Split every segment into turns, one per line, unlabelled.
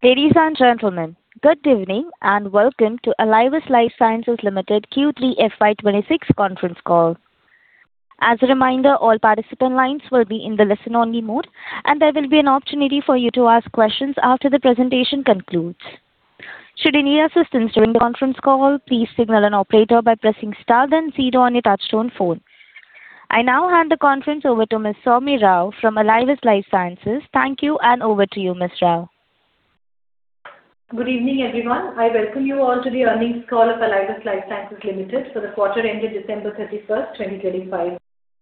Ladies and gentlemen, good evening and welcome to Alivus Life Sciences Limited Q3FY26 conference call. As a reminder, all participant lines will be in the listen-only mode, and there will be an opportunity for you to ask questions after the presentation concludes. Should you need assistance during the conference call, please signal an operator by pressing star then zero on your touchtone phone. I now hand the conference over to Ms. Soumi Rao from Alivus Life Sciences. Thank you, and over to you, Ms. Rao.
Good evening, everyone. I welcome you all to the earnings call of Alivus Life Sciences Limited for the quarter ending December 31st, 2025.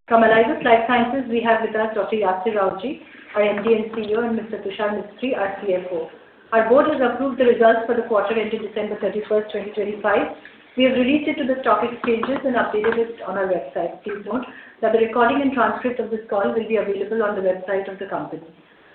From Alivus Life Sciences, we have with us Dr. Yasir Rawjee, our MD and CEO, and Mr. Tushar Mistry, our CFO. Our board has approved the results for the quarter ending December 31st, 2025. We have released it to the stock exchanges and updated it on our website. Please note that the recording and transcript of this call will be available on the website of the company.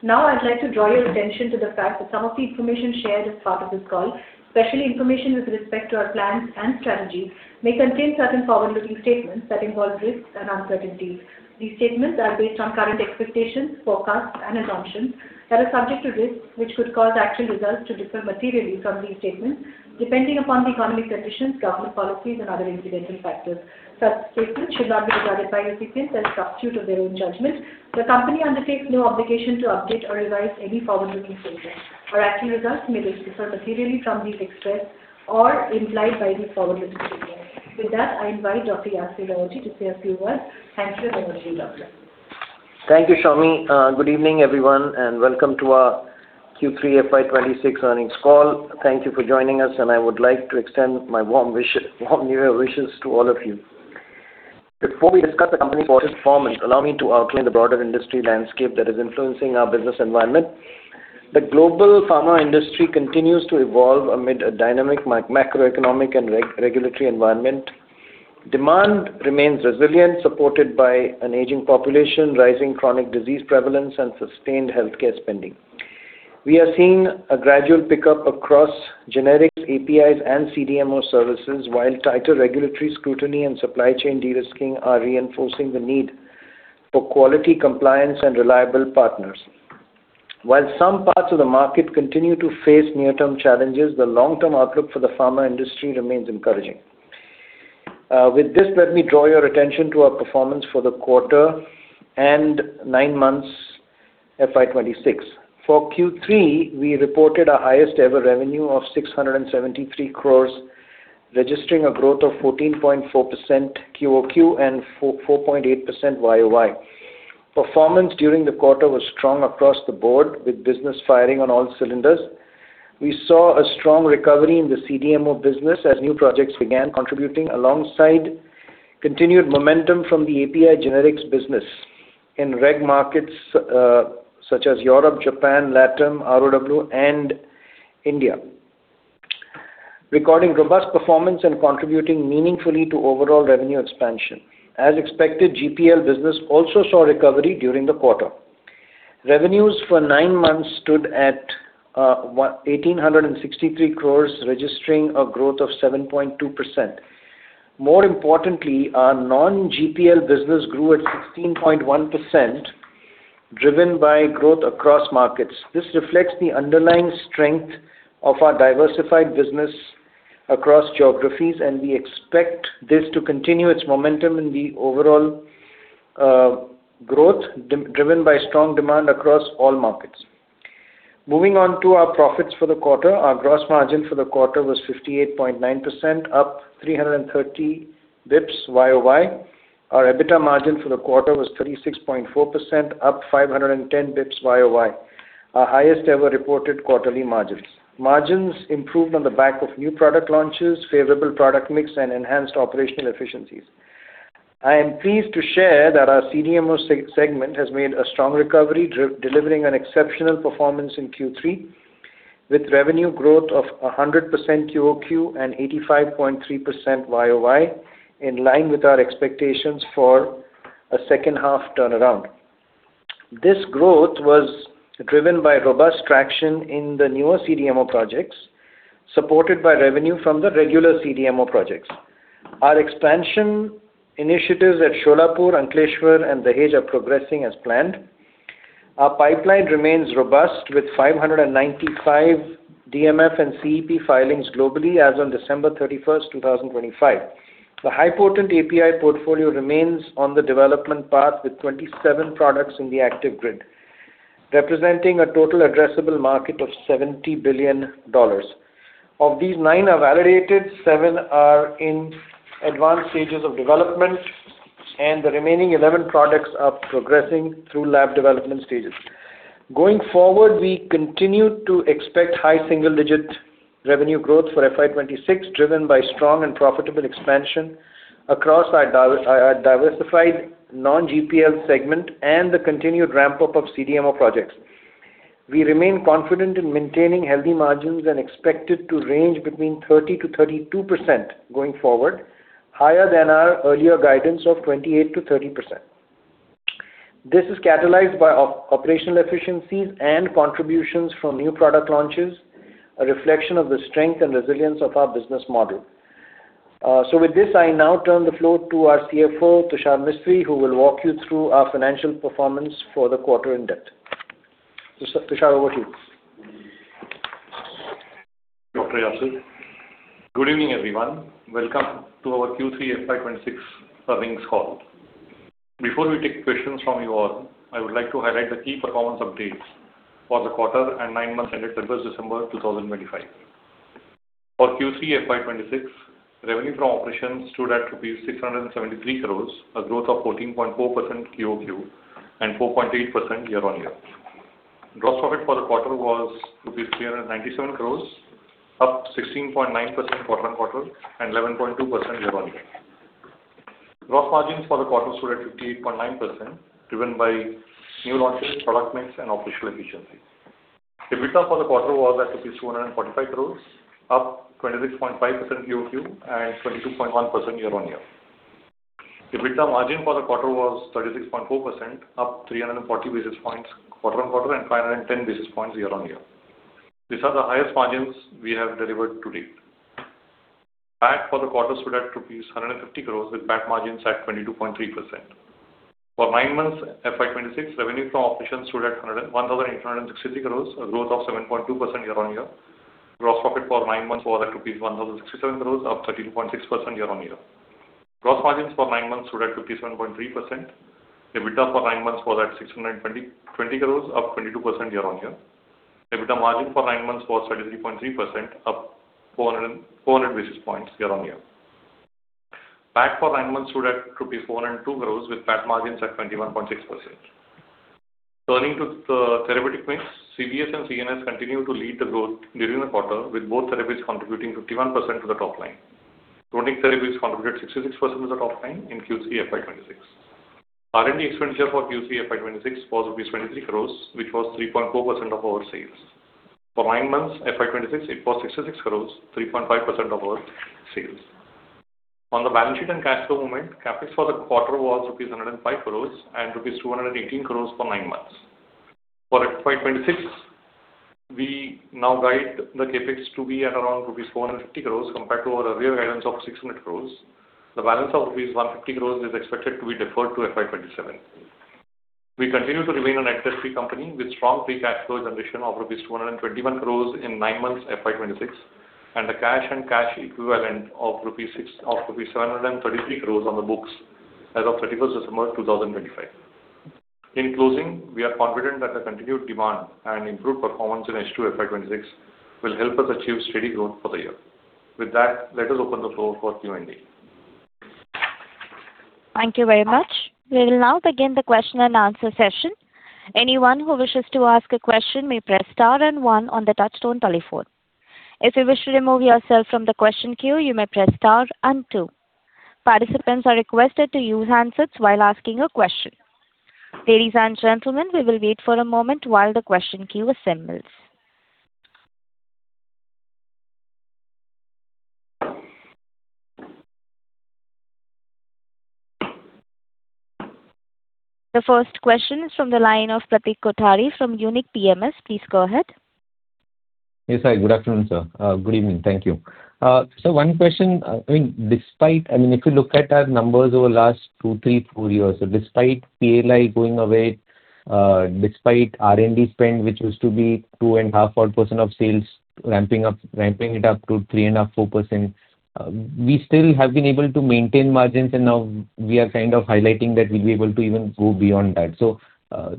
Now, I'd like to draw your attention to the fact that some of the information shared as part of this call, especially information with respect to our plans and strategy, may contain certain forward-looking statements that involve risks and uncertainties. These statements are based on current expectations, forecasts, and assumptions that are subject to risks, which could cause actual results to differ materially from these statements depending upon the economic conditions, government policies, and other incidental factors. Such statements should not be regarded by recipients as a substitute of their own judgment. The company undertakes no obligation to update or revise any forward-looking statements. Our actual results may differ materially from these expressed or implied by these forward-looking statements. With that, I invite Dr. Yasir Rawjee to say a few words. Thank you and welcome you, Doctor.
Thank you, Soumi. Good evening, everyone, and welcome to our Q3FY26 earnings call. Thank you for joining us, and I would like to extend my warm New Year wishes to all of you. Before we discuss the company's important performance, allow me to outline the broader industry landscape that is influencing our business environment. The global pharma industry continues to evolve amid a dynamic macroeconomic and regulatory environment. Demand remains resilient, supported by an aging population, rising chronic disease prevalence, and sustained healthcare spending. We are seeing a gradual pickup across generics, APIs, and CDMO services, while tighter regulatory scrutiny and supply chain de-risking are reinforcing the need for quality compliance and reliable partners. While some parts of the market continue to face near-term challenges, the long-term outlook for the pharma industry remains encouraging. With this, let me draw your attention to our performance for the quarter and nine months FY26. For Q3, we reported our highest-ever revenue of 673 crores, registering a growth of 14.4% QOQ and 4.8% YOY. Performance during the quarter was strong across the board, with business firing on all cylinders. We saw a strong recovery in the CDMO business as new projects began, contributing alongside continued momentum from the API generics business in reg markets such as Europe, Japan, Latam, ROW, and India, recording robust performance and contributing meaningfully to overall revenue expansion. As expected, GPL business also saw recovery during the quarter. Revenues for nine months stood at 1,863 crores, registering a growth of 7.2%. More importantly, our non-GPL business grew at 16.1%, driven by growth across markets. This reflects the underlying strength of our diversified business across geographies, and we expect this to continue its momentum in the overall growth, driven by strong demand across all markets. Moving on to our profits for the quarter, our gross margin for the quarter was 58.9%, up 330 basis points YOY. Our EBITDA margin for the quarter was 36.4%, up 510 basis points YOY, our highest-ever reported quarterly margins. Margins improved on the back of new product launches, favorable product mix, and enhanced operational efficiencies. I am pleased to share that our CDMO segment has made a strong recovery, delivering an exceptional performance in Q3, with revenue growth of 100% QOQ and 85.3% YOY, in line with our expectations for a second-half turnaround. This growth was driven by robust traction in the newer CDMO projects, supported by revenue from the regular CDMO projects. Our expansion initiatives at Solapur, Ankleshwar, and Dahej are progressing as planned. Our pipeline remains robust, with 595 DMF and CEP filings globally as of December 31st, 2025. The high-potency API portfolio remains on the development path, with 27 products in the active grid, representing a total addressable market of $70 billion. Of these nine are validated, seven are in advanced stages of development, and the remaining 11 products are progressing through lab development stages. Going forward, we continue to expect high single-digit revenue growth for FY26, driven by strong and profitable expansion across our diversified non-GPL segment and the continued ramp-up of CDMO projects. We remain confident in maintaining healthy margins and expect it to range between 30% to 32% going forward, higher than our earlier guidance of 28% to 30%. This is catalyzed by operational efficiencies and contributions from new product launches, a reflection of the strength and resilience of our business model. So with this, I now turn the floor to our CFO, Tushar Mistry, who will walk you through our financial performance for the quarter in depth. Tushar, over to you.
Dr. Yasir Rawjee, good evening, everyone. Welcome to our Q3FY26 earnings call. Before we take questions from you all, I would like to highlight the key performance updates for the quarter and nine-month ended 31st December 2025. For Q3FY26, revenue from operations stood at 673 crores rupees, a growth of 14.4% QOQ and 4.8% year-on-year. Gross profit for the quarter was INR 397 crores, up 16.9% quarter-on-quarter and 11.2% year-on-year. Gross margins for the quarter stood at 58.9%, driven by new launches, product mix, and operational efficiency. EBITDA for the quarter was 245 crores, up 26.5% QOQ and 22.1% year-on-year. EBITDA margin for the quarter was 36.4%, up 340 basis points quarter-on-quarter and 510 basis points year-on-year. These are the highest margins we have delivered to date. PAT for the quarter stood at rupees 150 crores, with PAT margins at 22.3%. For nine months, FY26, revenue from operations stood at ₹1,863 crores, a growth of 7.2% year-on-year. Gross profit for nine months was ₹1,067 crores, up 32.6% year-on-year. Gross margins for nine months stood at 57.3%. EBITDA for nine months was at ₹620 crores, up 22% year-on-year. EBITDA margin for nine months was 33.3%, up 400 basis points year-on-year. PAT for nine months stood at ₹402 crores, with PAT margins at 21.6%. Turning to the therapeutic mix, CVS and CNS continued to lead the growth during the quarter, with both therapies contributing 51% to the top line. Chronic therapies contributed 66% to the top line in Q3FY26. R&D expenditure for Q3FY26 was ₹23 crores, which was 3.4% of our sales. For nine months, FY26, it was ₹66 crores, 3.5% of our sales. On the balance sheet and cash flow movement, CapEx for the quarter was rupees 105 crores and rupees 218 crores for nine months. For FY26, we now guide the CapEx to be at around rupees 450 crores compared to our earlier guidance of 600 crores. The balance of rupees 150 crores is expected to be deferred to FY27. We continue to remain an asset light company, with strong free cash flow generation of rupees 221 crores in nine months FY26 and the cash and cash equivalents of rupees 733 crores on the books as of 31st December 2025. In closing, we are confident that the continued demand and improved performance in H2FY26 will help us achieve steady growth for the year. With that, let us open the floor for Q&A.
Thank you very much. We will now begin the question and answer session. Anyone who wishes to ask a question may press star and one on the touchtone telephone. If you wish to remove yourself from the question queue, you may press star and two. Participants are requested to use handsets while asking a question. Ladies and gentlemen, we will wait for a moment while the question queue assembles. The first question is from the line of Pratik Kothari from Unique PMS. Please go ahead.
Yes, hi. Good afternoon, sir. Good evening. Thank you. So one question, I mean, despite, I mean, if you look at our numbers over the last two, three, four years, so despite PLI going away, despite R&D spend, which used to be 2.5% or 4% of sales, ramping it up to 3.5%, 4%, we still have been able to maintain margins, and now we are kind of highlighting that we'll be able to even go beyond that. So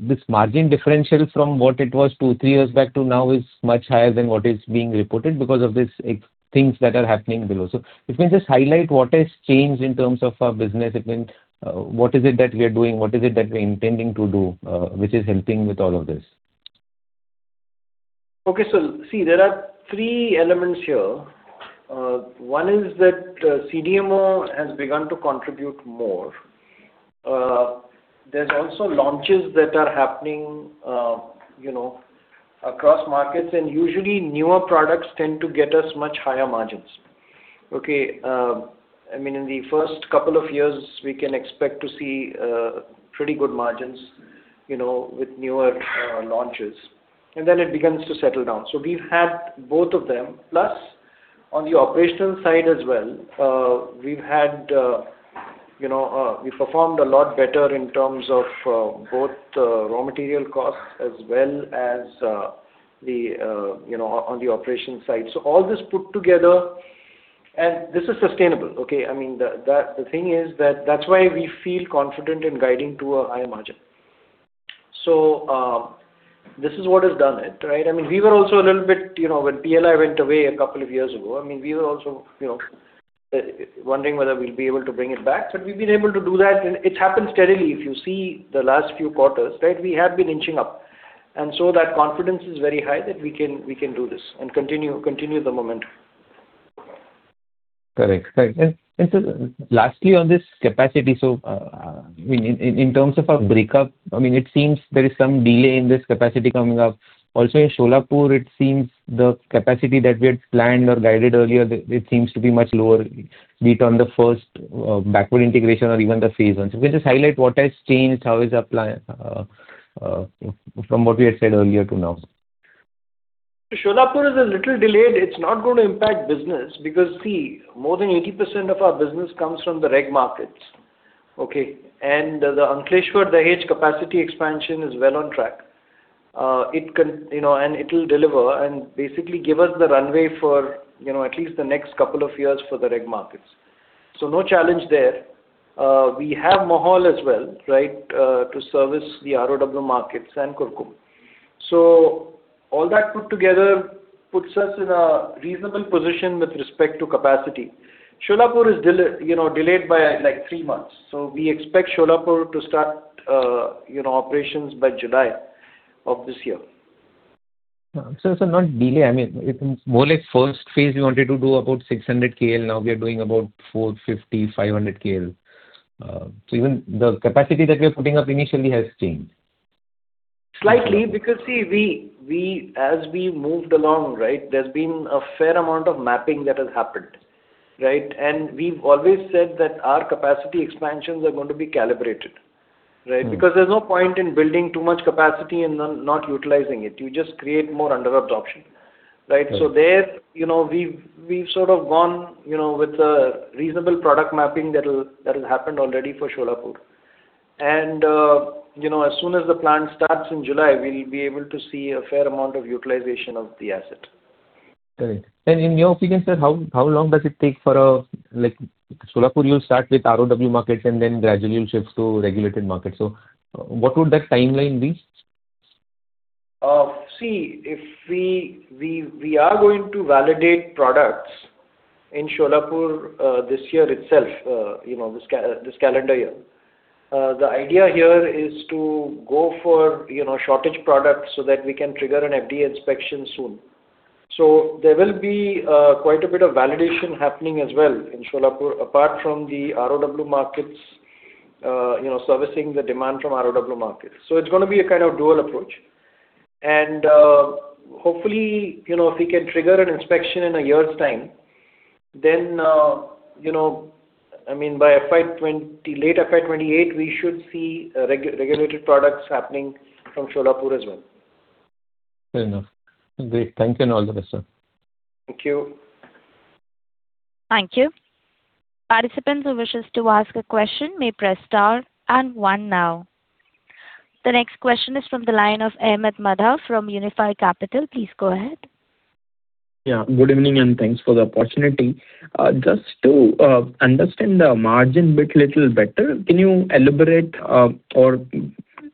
this margin differential from what it was two, three years back to now is much higher than what is being reported because of these things that are happening below. So if you can just highlight what has changed in terms of our business, what is it that we are doing, what is it that we are intending to do, which is helping with all of this?
Okay, so see, there are three elements here. One is that CDMO has begun to contribute more. There's also launches that are happening across markets, and usually, newer products tend to get us much higher margins. Okay, I mean, in the first couple of years, we can expect to see pretty good margins with newer launches, and then it begins to settle down. So we've had both of them. Plus, on the operational side as well, we've had, we performed a lot better in terms of both raw material costs as well as on the operation side. So all this put together, and this is sustainable. Okay, I mean, the thing is that that's why we feel confident in guiding to a higher margin. So this is what has done it, right? I mean, we were also a little bit when PLI went away a couple of years ago. I mean, we were also wondering whether we'll be able to bring it back, but we've been able to do that, and it's happened steadily. If you see the last few quarters, right, we have been inching up, and so that confidence is very high that we can do this and continue the momentum.
Correct. Correct. Lastly, on this capacity, I mean, in terms of our breakup, I mean, it seems there is some delay in this capacity coming up. Also, in Solapur, it seems the capacity that we had planned or guided earlier, it seems to be much lower beat on the first backward integration or even the phase one. You can just highlight what has changed, how is our plan from what we had said earlier to now.
Solapur is a little delayed. It's not going to impact business because see, more than 80% of our business comes from the reg markets. Okay, and the Ankleshwar Dahej capacity expansion is well on track, and it'll deliver and basically give us the runway for at least the next couple of years for the reg markets. So no challenge there. We have Mohol as well, right, to service the ROW markets and Kurkumbh. So all that put together puts us in a reasonable position with respect to capacity. Solapur is delayed by like three months. So we expect Solapur to start operations by July of this year.
So it's not a delay. I mean, more like first phase, we wanted to do about 600 KL. Now we are doing about 450-500 KL. So even the capacity that we are putting up initially has changed.
Slightly because see, as we moved along, right, there's been a fair amount of mapping that has happened, right? And we've always said that our capacity expansions are going to be calibrated, right, because there's no point in building too much capacity and not utilizing it. You just create more underutilized option, right? So there, we've sort of gone with a reasonable product mapping that has happened already for Solapur. And as soon as the plan starts in July, we'll be able to see a fair amount of utilization of the asset.
Correct. And in your opinion, sir, how long does it take for Solapur? You'll start with ROW markets and then gradually you'll shift to regulated markets. So what would that timeline be?
See, if we are going to validate products in Solapur this year itself, this calendar year, the idea here is to go for shortage products so that we can trigger an FDA inspection soon, so there will be quite a bit of validation happening as well in Solapur, apart from the ROW markets servicing the demand from ROW markets, so it's going to be a kind of dual approach, and hopefully, if we can trigger an inspection in a year's time, then I mean, by FY20, late FY28, we should see regulated products happening from Solapur as well.
Fair enough. Great. Thank you and all the best, sir.
Thank you.
Thank you. Participants who wish to ask a question may press star and one now. The next question is from the line of Ahmed Madha from Unifi Capital. Please go ahead.
Yeah. Good evening and thanks for the opportunity. Just to understand the margin bit little better, can you elaborate or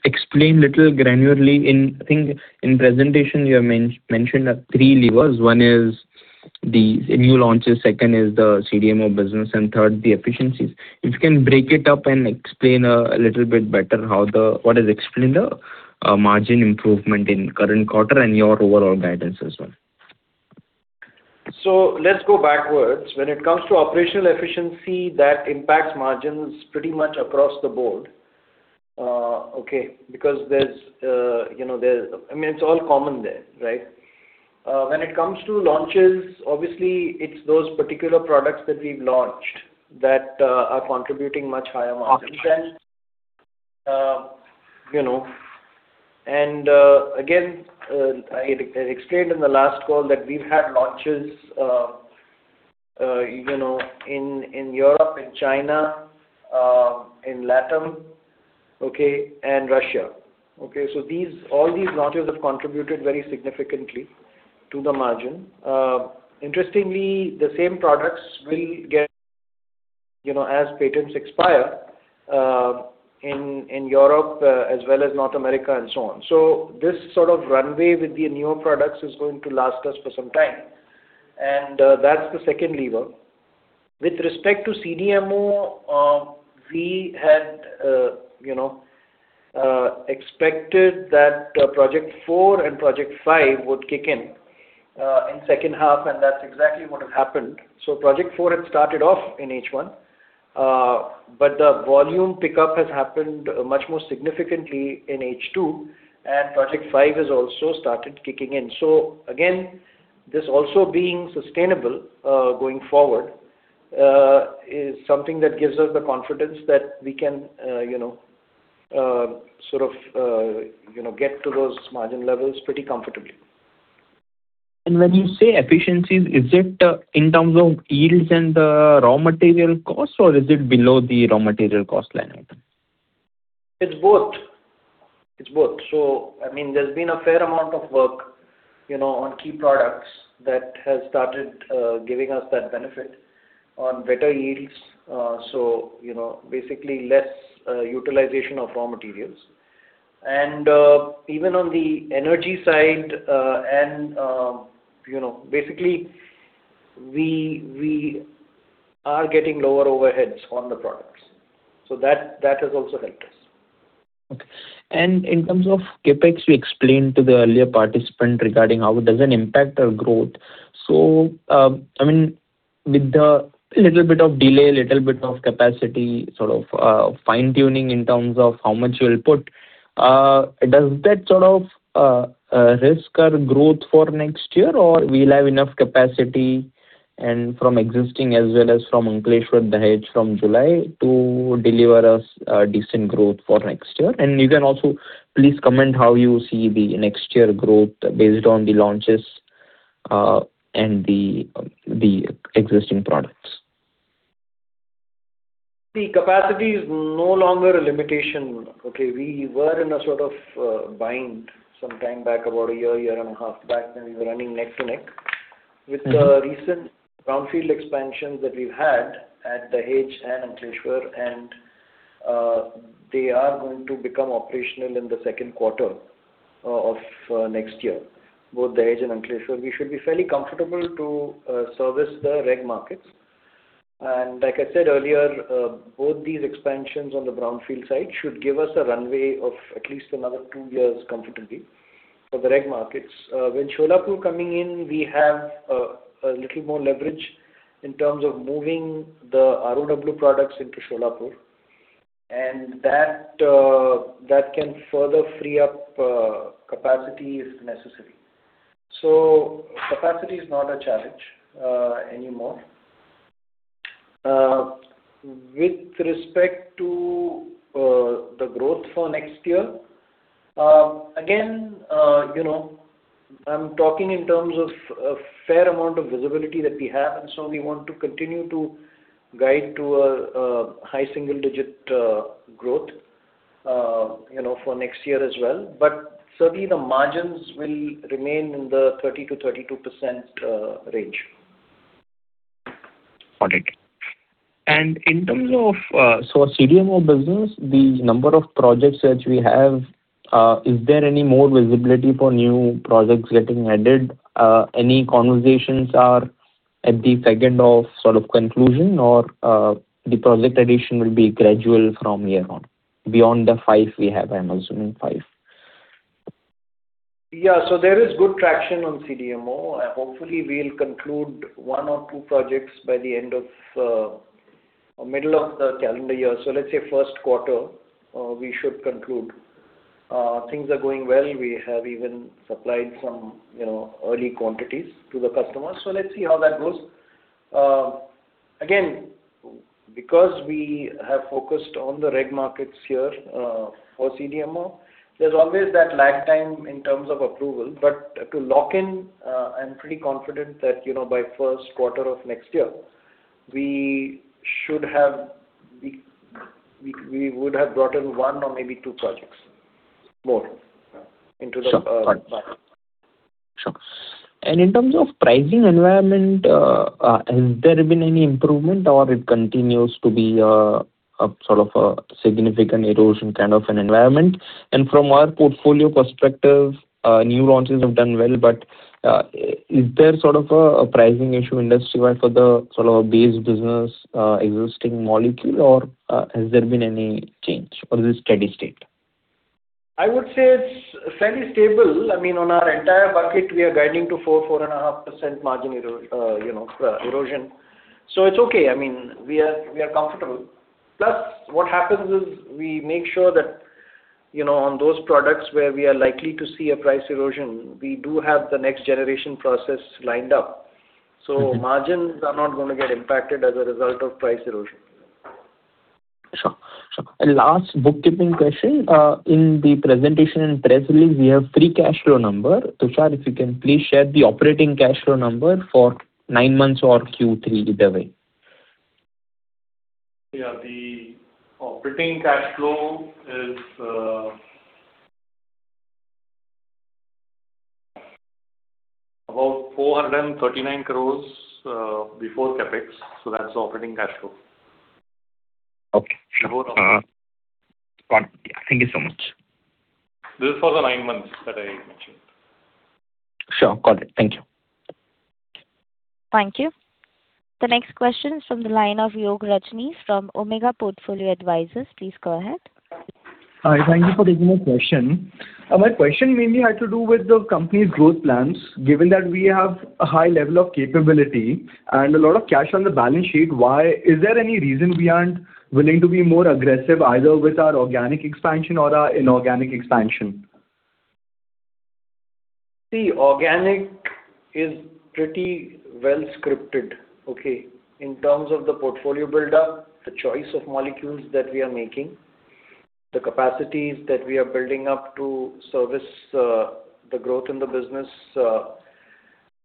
explain little granularly? In, I think, in presentation, you have mentioned three levers. One is the new launches, second is the CDMO business, and third, the efficiencies. If you can break it up and explain a little bit better how the what has explained the margin improvement in current quarter and your overall guidance as well.
So let's go backwards. When it comes to operational efficiency, that impacts margins pretty much across the board, okay, because there's I mean, it's all common there, right? When it comes to launches, obviously, it's those particular products that we've launched that are contributing much higher margins. And again, I explained in the last call that we've had launches in Europe, in China, in Latam, okay, and Russia. Okay, so all these launches have contributed very significantly to the margin. Interestingly, the same products will get as patents expire in Europe as well as North America and so on. So this sort of runway with the newer products is going to last us for some time. And that's the second lever. With respect to CDMO, we had expected that Project 4 and Project 5 would kick in in second half, and that's exactly what has happened. So Project 4 had started off in H1, but the volume pickup has happened much more significantly in H2, and Project 5 has also started kicking in. So again, this also being sustainable going forward is something that gives us the confidence that we can sort of get to those margin levels pretty comfortably.
When you say efficiencies, is it in terms of yields and the raw material cost, or is it below the raw material cost line item?
It's both. It's both, so I mean, there's been a fair amount of work on key products that has started giving us that benefit on better yields, so basically less utilization of raw materials, and even on the energy side and basically, we are getting lower overheads on the products, so that has also helped us.
Okay. And in terms of CapEx, you explained to the earlier participant regarding how it doesn't impact our growth. So I mean, with the little bit of delay, little bit of capacity sort of fine-tuning in terms of how much you'll put, does that sort of risk our growth for next year, or will we have enough capacity from existing as well as from Ankleshwar Dahej from July to deliver us decent growth for next year? And you can also please comment how you see the next year growth based on the launches and the existing products.
See, capacity is no longer a limitation. Okay, we were in a sort of bind some time back, about a year, year and a half back, and we were running neck to neck with the recent brownfield expansions that we've had at Dahej and Ankleshwar, and they are going to become operational in the second quarter of next year. Both Dahej and Ankleshwar, we should be fairly comfortable to service the reg markets. And like I said earlier, both these expansions on the brownfield side should give us a runway of at least another two years comfortably for the reg markets. With Solapur coming in, we have a little more leverage in terms of moving the ROW products into Solapur, and that can further free up capacity if necessary. So capacity is not a challenge anymore. With respect to the growth for next year, again, I'm talking in terms of a fair amount of visibility that we have, and so we want to continue to guide to a high single-digit growth for next year as well. But certainly, the margins will remain in the 30%-32% range.
Got it. And in terms of CDMO business, the number of projects that we have, is there any more visibility for new projects getting added? Any conversations are at the stage of sort of conclusion, or the project addition will be gradual from here on beyond the five we have, I'm assuming five.
Yeah. So, there is good traction on CDMO. Hopefully, we'll conclude one or two projects by the end of middle of the calendar year. So let's say first quarter, we should conclude. Things are going well. We have even supplied some early quantities to the customers. So let's see how that goes. Again, because we have focused on the regulated markets here for CDMO, there's always that lag time in terms of approval. But to lock in, I'm pretty confident that by first quarter of next year, we should have we would have brought in one or maybe two projects more into the.
Sure. Sure. And in terms of pricing environment, has there been any improvement, or it continues to be sort of a significant erosion kind of an environment? And from our portfolio perspective, new launches have done well, but is there sort of a pricing issue industry-wide for the sort of base business existing molecule, or has there been any change, or is it steady state?
I would say it's fairly stable. I mean, on our entire bucket, we are guiding to 4%-4.5% margin erosion. So it's okay. I mean, we are comfortable. Plus, what happens is we make sure that on those products where we are likely to see a price erosion, we do have the next generation process lined up. So margins are not going to get impacted as a result of price erosion.
Sure. Sure. And last bookkeeping question. In the presentation and press release, we have three cash flow numbers. Tushar, if you can please share the operating cash flow number for nine months or Q3 FY24?
Yeah. The operating cash flow is about 439 crores before CapEx. So that's the operating cash flow.
Okay. Thank you so much.
This is for the nine months that I mentioned.
Sure. Got it. Thank you.
Thank you. The next question is from the line of Yog Rajani from Omega Portfolio Advisors. Please go ahead.
Hi. Thank you for taking my question. My question mainly had to do with the company's growth plans. Given that we have a high level of capability and a lot of cash on the balance sheet, is there any reason we aren't willing to be more aggressive either with our organic expansion or our inorganic expansion?
See, organic is pretty well scripted. Okay, in terms of the portfolio buildup, the choice of molecules that we are making, the capacities that we are building up to service the growth in the business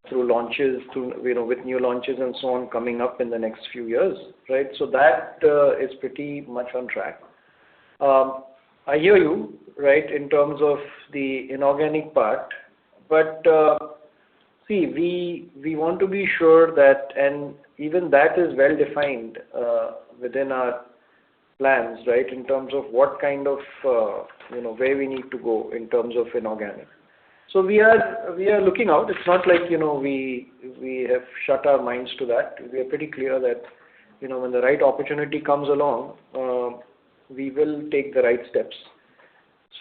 through launches, with new launches and so on coming up in the next few years, right, so that is pretty much on track. I hear you, right, in terms of the inorganic part, but see, we want to be sure that, and even that is well defined within our plans, right, in terms of what kind of way we need to go in terms of inorganic, so we are looking out. It's not like we have shut our minds to that. We are pretty clear that when the right opportunity comes along, we will take the right steps.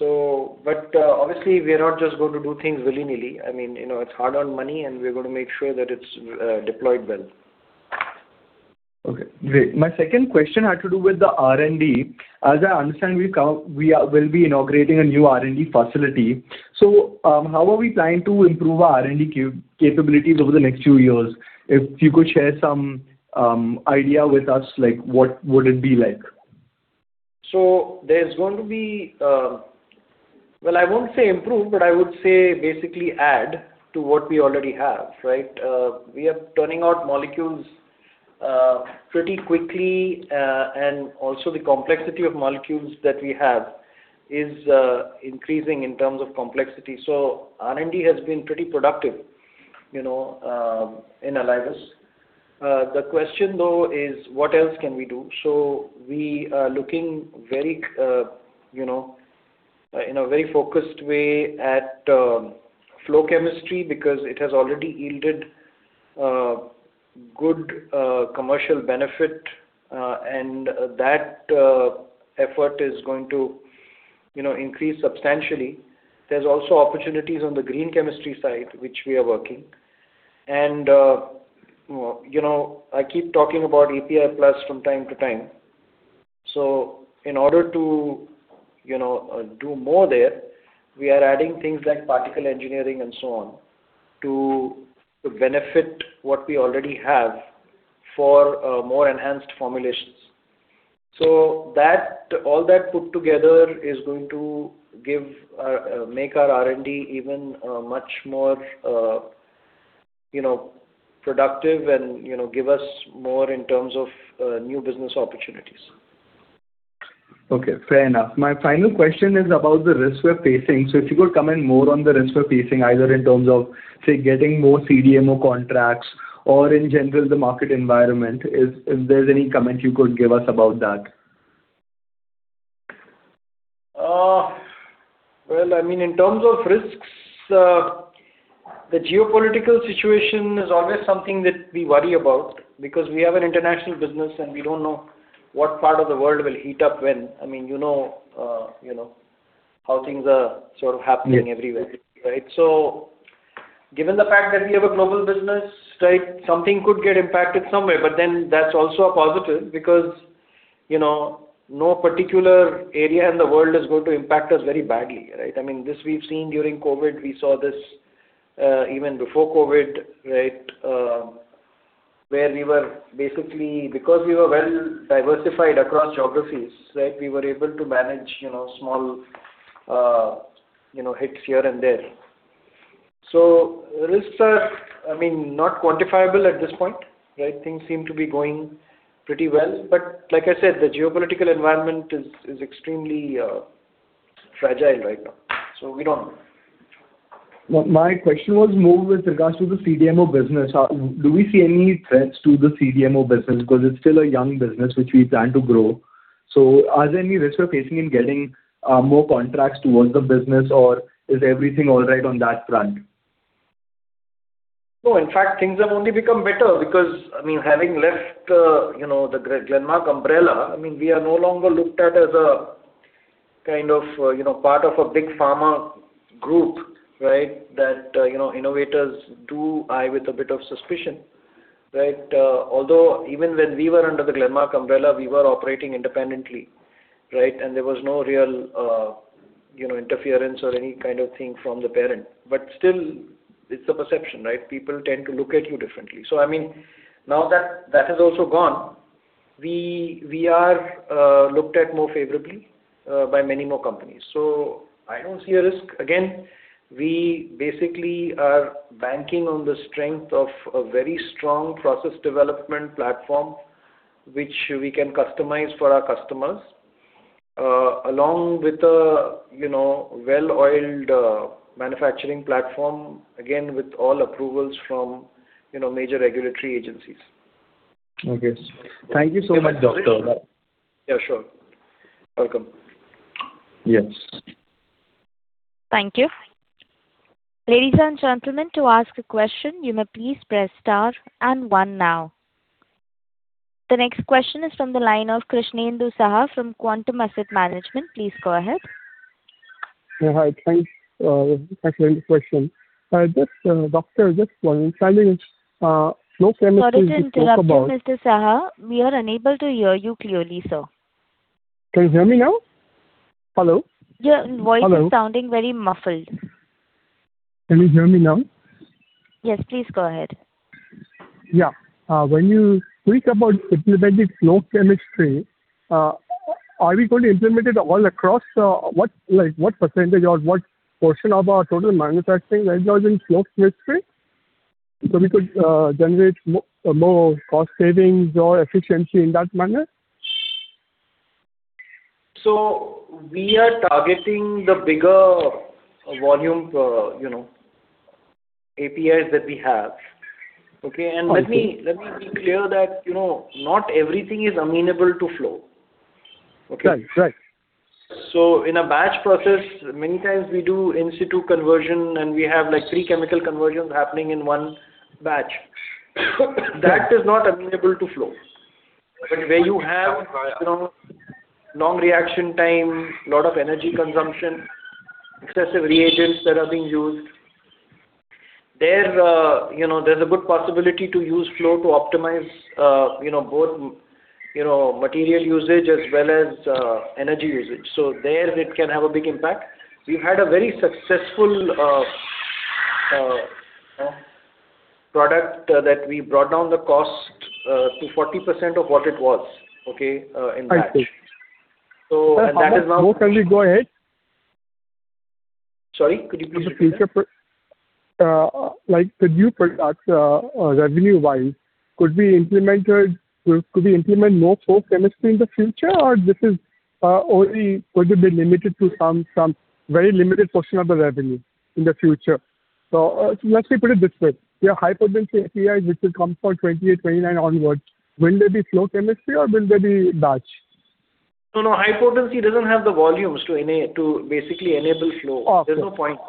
But obviously, we are not just going to do things willy-nilly. I mean, it's hard on money, and we're going to make sure that it's deployed well.
Okay. Great. My second question had to do with the R&D. As I understand, we will be inaugurating a new R&D facility. So how are we planning to improve our R&D capabilities over the next few years? If you could share some idea with us, what would it be like?
So there's going to be well, I won't say improve, but I would say basically add to what we already have, right? We are turning out molecules pretty quickly, and also the complexity of molecules that we have is increasing in terms of complexity. So R&D has been pretty productive in Alivus. The question, though, is what else can we do? So we are looking very in a very focused way at flow chemistry because it has already yielded good commercial benefit, and that effort is going to increase substantially. There's also opportunities on the green chemistry side, which we are working. And I keep talking about API+ from time to time. So in order to do more there, we are adding things like particle engineering and so on to benefit what we already have for more enhanced formulations. All that put together is going to make our R&D even much more productive and give us more in terms of new business opportunities.
Okay. Fair enough. My final question is about the risks we're facing. So if you could comment more on the risks we're facing, either in terms of, say, getting more CDMO contracts or in general, the market environment, if there's any comment you could give us about that?
I mean, in terms of risks, the geopolitical situation is always something that we worry about because we have an international business, and we don't know what part of the world will heat up when. I mean, you know how things are sort of happening everywhere, right? So given the fact that we have a global business, right, something could get impacted somewhere. But then that's also a positive because no particular area in the world is going to impact us very badly, right? I mean, this we've seen during COVID. We saw this even before COVID, right, where we were basically because we were well diversified across geographies, right, we were able to manage small hits here and there. So risks are, I mean, not quantifiable at this point, right? Things seem to be going pretty well. But like I said, the geopolitical environment is extremely fragile right now. So we don't know.
My question was more with regards to the CDMO business. Do we see any threats to the CDMO business? Because it's still a young business, which we plan to grow, so are there any risks we're facing in getting more contracts toward the business, or is everything all right on that front?
No. In fact, things have only become better because, I mean, having left the Glenmark umbrella, I mean, we are no longer looked at as a kind of part of a big pharma group, right, that innovators do eye with a bit of suspicion, right? Although even when we were under the Glenmark umbrella, we were operating independently, right? And there was no real interference or any kind of thing from the parent. But still, it's a perception, right? People tend to look at you differently. So I mean, now that that has also gone, we are looked at more favorably by many more companies. So I don't see a risk. Again, we basically are banking on the strength of a very strong process development platform, which we can customize for our customers along with a well-oiled manufacturing platform, again, with all approvals from major regulatory agencies.
Okay. Thank you so much, Doctor.
Yeah. Sure. Welcome.
Yes.
Thank you. Ladies and gentlemen, to ask a question, you may please press star and one now. The next question is from the line of Krishnendu Saha from Quantum Asset Management. Please go ahead.
Yeah. Hi. Thanks for the question. Doctor, just one thing.
Sorry to interrupt you, Mr. Saha. We are unable to hear you clearly, sir.
Can you hear me now? Hello?
Your voice is sounding very muffled.
Can you hear me now?
Yes. Please go ahead.
Yeah. When you speak about implementing flow chemistry, are we going to implement it all across? What percentage or what portion of our total manufacturing is using flow chemistry? So we could generate more cost savings or efficiency in that manner?
So we are targeting the bigger volume APIs that we have. Okay? And let me be clear that not everything is amenable to flow. Okay?
Right. Right.
So in a batch process, many times we do in-situ conversion, and we have three chemical conversions happening in one batch. That is not amenable to flow. But where you have long reaction time, a lot of energy consumption, excessive reagents that are being used, there's a good possibility to use flow to optimize both material usage as well as energy usage. So there, it can have a big impact. We've had a very successful product that we brought down the cost to 40% of what it was, okay, in batch. And that is now.
Doctor, can we go ahead?
Sorry? Could you please repeat that?
The new product, revenue-wise, could we implement more flow chemistry in the future, or this is only going to be limited to some very limited portion of the revenue in the future? So let's say, put it this way. We have high-potency APIs, which will come for 2028, 2029 onwards. Will there be flow chemistry, or will there be batch?
No. No. High-potency doesn't have the volumes to basically enable flow. There's no point.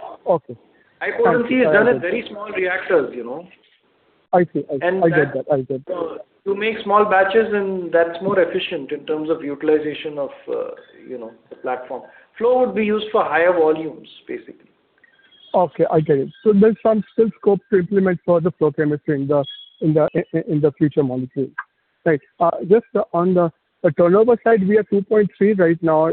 High-potency is done in very small reactors.
I see. I get that. I get that.
So to make small batches, and that's more efficient in terms of utilization of the platform. Flow would be used for higher volumes, basically.
Okay. I get it. So there's some still scope to implement further flow chemistry in the future molecules. Right. Just on the turnover side, we are 2.3 right now.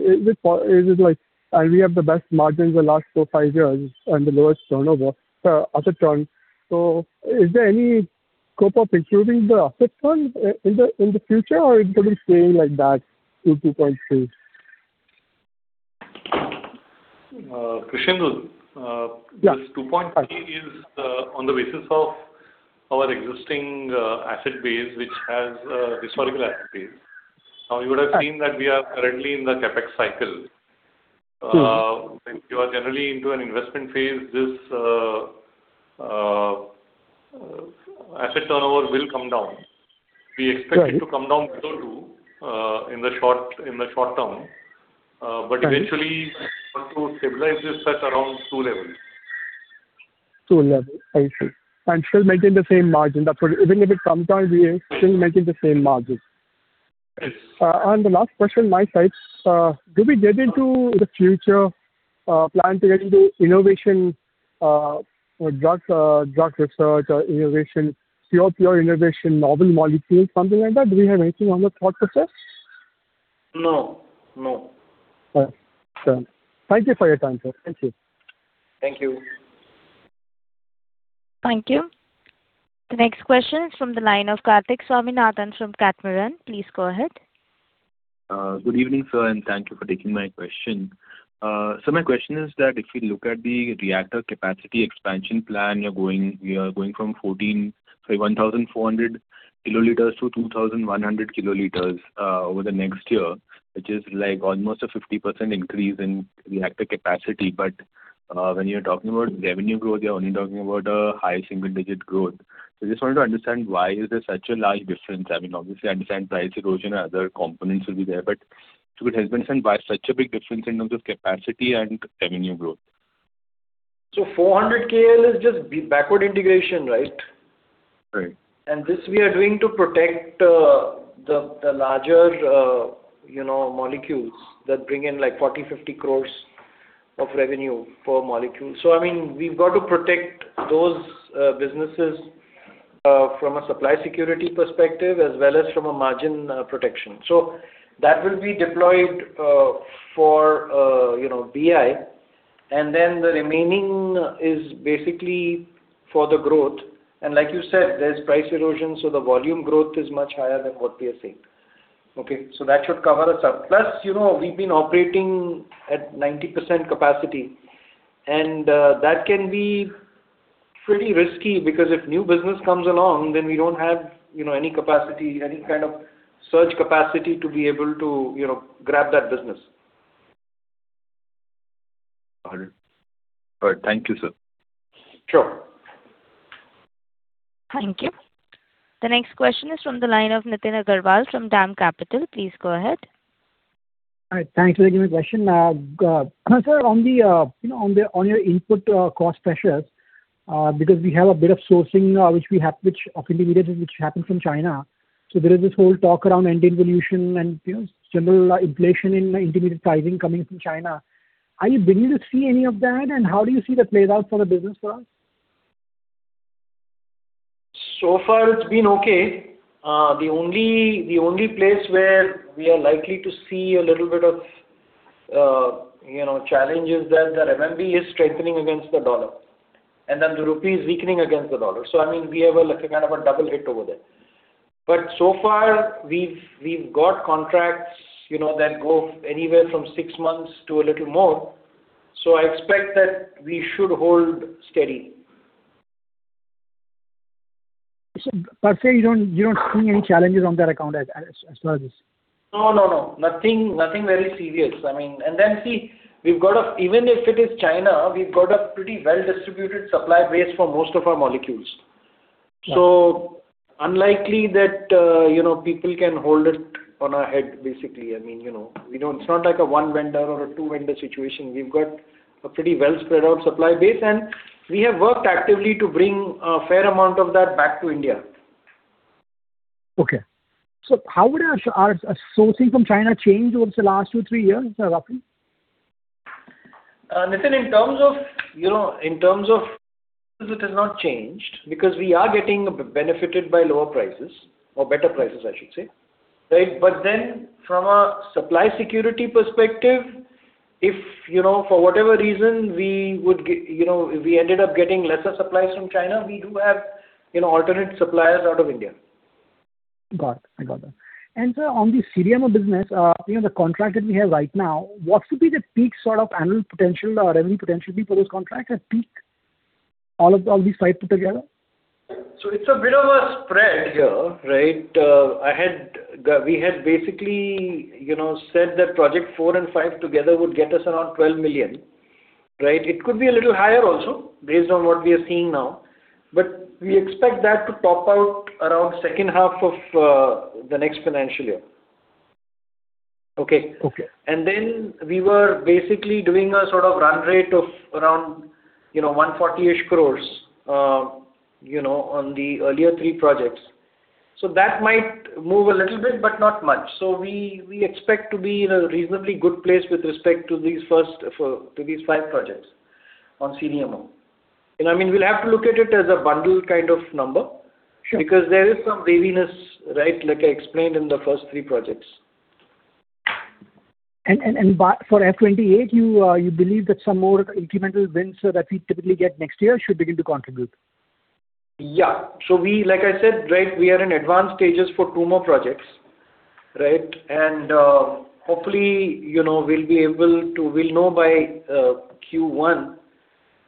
And we have the best margins the last four, five years and the lowest turnover for asset turn. So is there any scope of improving the asset turn in the future, or it's going to stay like that to 2.3?
Krishnendu, this 2.3 is on the basis of our existing asset base, which has historical asset base. Now, you would have seen that we are currently in the CapEx cycle. If you are generally into an investment phase, this asset turnover will come down. We expect it to come down below 2 in the short term. But eventually, we want to stabilize this at around 2 level.
Two level. I see. And still maintain the same margin. Even if it comes down, we still maintain the same margin.
Yes.
The last question on my side. Do we get into the future plan to get into innovation drug research or innovation, pure innovation, novel molecules, something like that? Do we have anything on the thought process?
No. No.
Thank you for your time, sir. Thank you.
Thank you.
Thank you. The next question is from the line of Karthik Swaminathan from Catamaran. Please go ahead.
Good evening, sir, and thank you for taking my question, so my question is that if we look at the reactor capacity expansion plan, we are going from 1,400 kiloliters to 2,100 kiloliters over the next year, which is almost a 50% increase in reactor capacity, but when you're talking about revenue growth, you're only talking about a high single-digit growth, so I just wanted to understand why is there such a large difference? I mean, obviously, I understand price erosion and other components will be there, but to a good extent, why such a big difference in terms of capacity and revenue growth?
400 KL is just backward integration, right?
Right.
This we are doing to protect the larger molecules that bring in like 40-50 crores of revenue per molecule. So I mean, we've got to protect those businesses from a supply security perspective as well as from a margin protection. So that will be deployed for BI. And then the remaining is basically for the growth. And like you said, there's price erosion. So the volume growth is much higher than what we are seeing. Okay? So that should cover us up. Plus, we've been operating at 90% capacity. And that can be pretty risky because if new business comes along, then we don't have any capacity, any kind of surge capacity to be able to grab that business.
Got it. All right. Thank you, sir.
Sure.
Thank you. The next question is from the line of Nitin Agarwal from DAM Capital. Please go ahead.
All right. Thanks for taking my question. Sir, on your input cost pressures, because we have a bit of sourcing, which we have of intermediates, which happen from China. So there is this whole talk around ending pollution and general inflation in intermediate pricing coming from China. Are you beginning to see any of that, and how do you see that plays out for the business for us?
So far, it's been okay. The only place where we are likely to see a little bit of challenge is that the RMB is strengthening against the dollar. And then the rupee is weakening against the dollar. So I mean, we have kind of a double hit over there. But so far, we've got contracts that go anywhere from six months to a little more. So I expect that we should hold steady.
So per se, you don't see any challenges on that account as far as this?
No, no, no. Nothing very serious. I mean, and then see, even if it is China, we've got a pretty well-distributed supply base for most of our molecules. So unlikely that people can hold it on our head, basically. I mean, it's not like a one vendor or a two vendor situation. We've got a pretty well-spread out supply base. And we have worked actively to bring a fair amount of that back to India.
Okay. So how would our sourcing from China change over the last two, three years, roughly?
Nitin, in terms of, it has not changed because we are getting benefited by lower prices or better prices, I should say, right? But then from a supply security perspective, if for whatever reason we would if we ended up getting lesser supplies from China, we do have alternate suppliers out of India.
Got it. I got that. And sir, on the CDMO business, the contract that we have right now, what should be the peak sort of annual potential or revenue potential for those contracts at peak? All of these five put together?
So it's a bit of a spread here, right? We had basically said that project four and five together would get us around $12 million, right? It could be a little higher also based on what we are seeing now. But we expect that to top out around second half of the next financial year. Okay? And then we were basically doing a sort of run rate of around 140-ish crores on the earlier three projects. So that might move a little bit, but not much. So we expect to be in a reasonably good place with respect to these five projects on CDMO. I mean, we'll have to look at it as a bundle kind of number because there is some waviness, right, like I explained in the first three projects.
For FY28, you believe that some more incremental wins that we typically get next year should begin to contribute?
Yeah. So like I said, right, we are in advanced stages for two more projects, right? And hopefully, we'll be able to know by Q1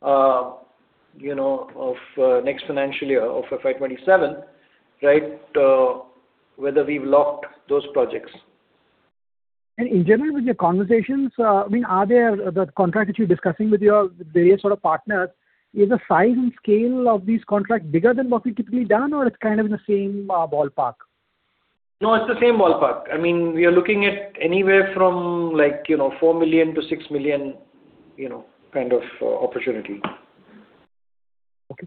of next financial year of FY27, right, whether we've locked those projects.
In general, with your conversations, I mean, are there the contracts that you're discussing with your various sort of partners, is the size and scale of these contracts bigger than what we've typically done, or it's kind of in the same ballpark?
No, it's the same ballpark. I mean, we are looking at anywhere from four million to six million kind of opportunity.
Okay.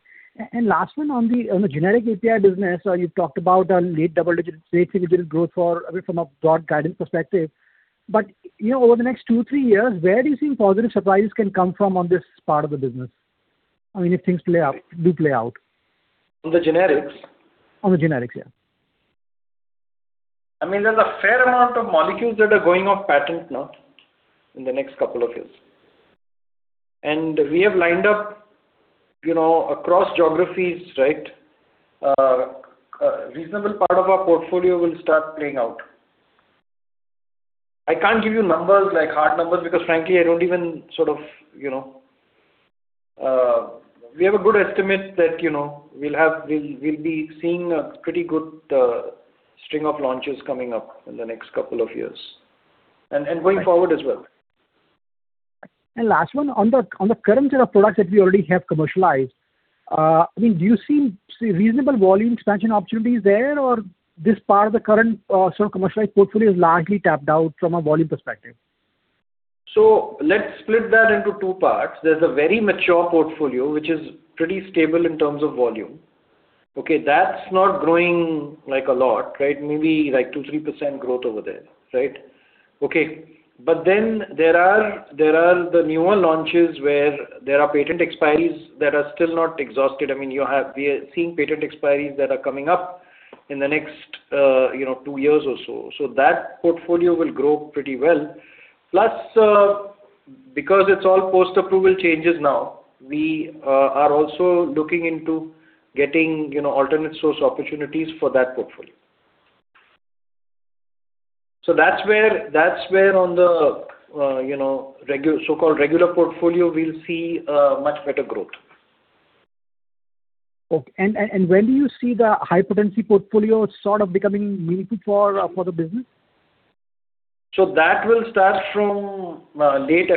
And last one, on the generic API business, you've talked about low single-digit growth from a broad guidance perspective. But over the next two, three years, where do you think positive surprises can come from on this part of the business? I mean, if things do play out.
On the generics?
On the generics, yeah.
I mean, there's a fair amount of molecules that are going off patent now in the next couple of years. And we have lined up across geographies, right? A reasonable part of our portfolio will start playing out. I can't give you numbers, like hard numbers, because frankly, we have a good estimate that we'll be seeing a pretty good string of launches coming up in the next couple of years and going forward as well.
Last one, on the current set of products that we already have commercialized, I mean, do you see reasonable volume expansion opportunities there, or this part of the current sort of commercialized portfolio is largely tapped out from a volume perspective?
So let's split that into two parts. There's a very mature portfolio, which is pretty stable in terms of volume. Okay? That's not growing a lot, right? Maybe like 2-3% growth over there, right? Okay. But then there are the newer launches where there are patent expiry that are still not exhausted. I mean, we are seeing patent expiry that are coming up in the next two years or so. So that portfolio will grow pretty well. Plus, because it's all post-approval changes now, we are also looking into getting alternate source opportunities for that portfolio. So that's where on the so-called regular portfolio, we'll see much better growth.
Okay. And when do you see the high-potency portfolio sort of becoming meaningful for the business?
So that will start from late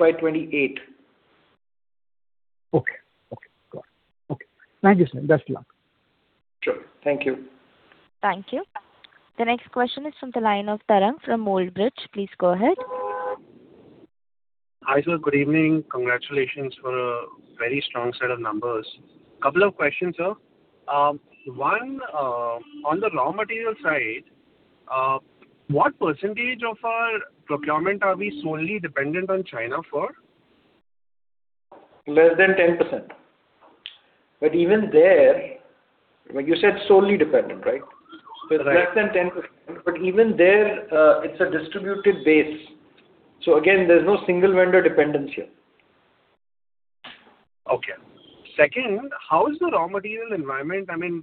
FY28.
Okay. Okay. Got it. Okay. Thank you, sir. Best of luck.
Sure. Thank you.
Thank you. The next question is from the line of Tarang from Old Bridge. Please go ahead.
Hi, sir. Good evening. Congratulations for a very strong set of numbers. A couple of questions, sir. One, on the raw material side, what percentage of our procurement are we solely dependent on China for?
Less than 10%. But even there, you said solely dependent, right? So it's less than 10%. But even there, it's a distributed base. So again, there's no single vendor dependency here.
Okay. Second, how is the raw material environment? I mean,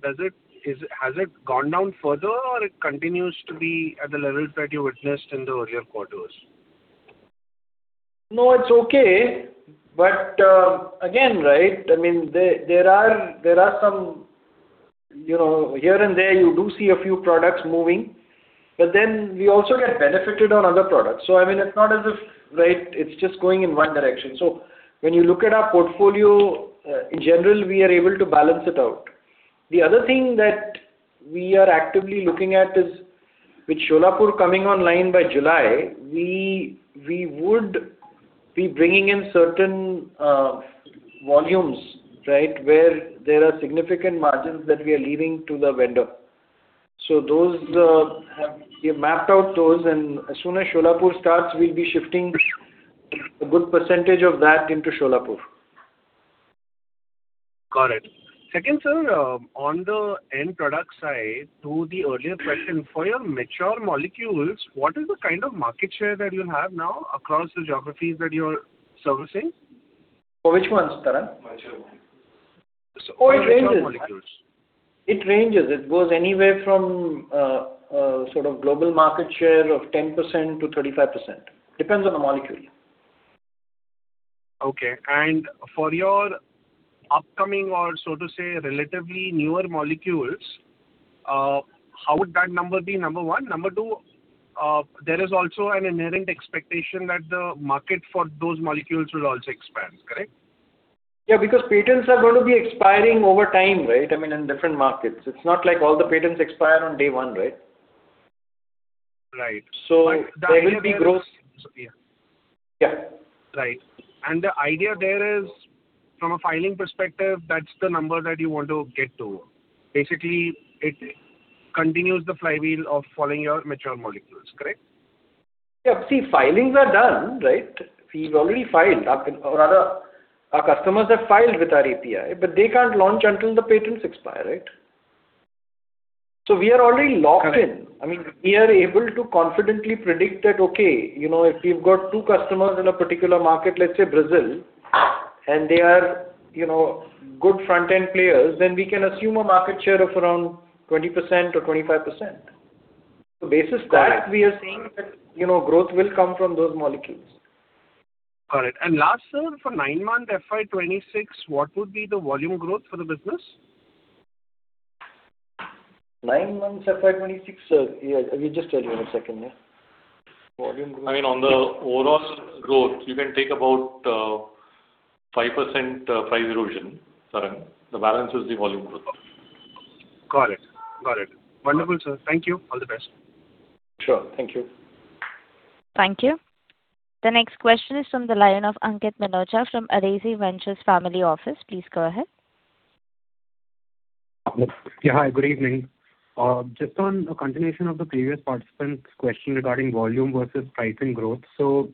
has it gone down further, or it continues to be at the levels that you witnessed in the earlier quarters?
No, it's okay. But again, right, I mean, there are some here and there, you do see a few products moving. But then we also get benefited on other products. So I mean, it's not as if, right, it's just going in one direction. So when you look at our portfolio, in general, we are able to balance it out. The other thing that we are actively looking at is with Solapur coming online by July, we would be bringing in certain volumes, right, where there are significant margins that we are leaving to the vendor. So we've mapped out those. And as soon as Solapur starts, we'll be shifting a good percentage of that into Solapur.
Got it. Second, sir, on the end product side, to the earlier question, for your mature molecules, what is the kind of market share that you have now across the geographies that you're servicing?
For which ones, Tarang?
Mature molecules.
Oh, it ranges. It goes anywhere from sort of global market share of 10%-35%. Depends on the molecule.
Okay, and for your upcoming or, so to say, relatively newer molecules, how would that number be? Number one. Number two, there is also an inherent expectation that the market for those molecules will also expand, correct?
Yeah, because patents are going to be expiring over time, right? I mean, in different markets. It's not like all the patents expire on day one, right?
Right, so that will be growth.
Yeah.
Yeah.
Right. And the idea there is, from a filing perspective, that's the number that you want to get to. Basically, it continues the flywheel of following your mature molecules, correct?
Yeah. See, filings are done, right? We've already filed, and our customers have filed with our API, but they can't launch until the patents expire, right? So we are already locked in. I mean, we are able to confidently predict that, okay, if we've got two customers in a particular market, let's say Brazil, and they are good front-end players, then we can assume a market share of around 20% or 25%. So based on that, we are saying that growth will come from those molecules. Got it. And last, sir, for nine-month FY26, what would be the volume growth for the business?
Nine-month FY26, sir, you just tell me in a second, yeah?
Volume growth? I mean, on the overall growth, you can take about 5% price erosion, Tarang. The balance is the volume growth. Got it. Got it. Wonderful, sir. Thank you. All the best.
Sure. Thank you.
Thank you. The next question is from the line of Ankit Minocha from Adezi Ventures Family Office. Please go ahead.
Yeah. Hi, good evening. Just on a continuation of the previous participant's question regarding volume versus pricing growth. So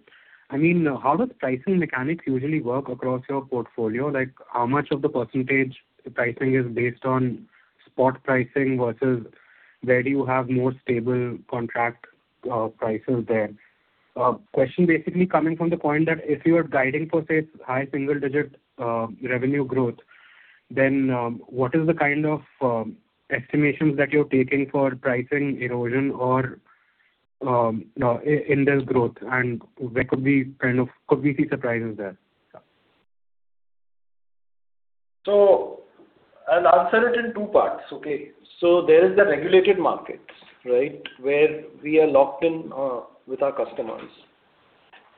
I mean, how does pricing mechanics usually work across your portfolio? How much of the percentage pricing is based on spot pricing versus where do you have more stable contract prices there? Question basically coming from the point that if you are guiding for, say, high single-digit revenue growth, then what is the kind of estimations that you're taking for pricing erosion in this growth? And where could we kind of see surprises there?
So I'll answer it in two parts, okay? So there is the regulated markets, right, where we are locked in with our customers.